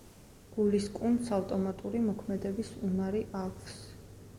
გულის კუნთს ავტომატური მოქმედების უნარი აქვს.